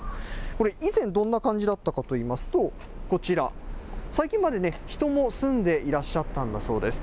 これ、以前、どんな感じだったかといいますと、こちら、最近まで人も住んでいらっしゃったんだそうです。